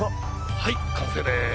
はい完成です。